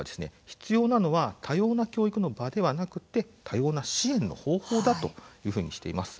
必要なのは多様な教育の場ではなくて多様な支援の方法だというふうにしています。